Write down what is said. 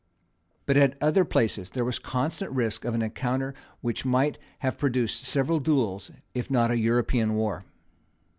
But at other places there was constant risk of an encounter which might have produced several duels, if not an European war.